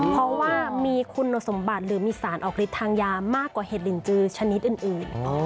เพราะว่ามีคุณสมบัติหรือมีสารออกฤทธิทางยามากกว่าเห็ดลินจือชนิดอื่น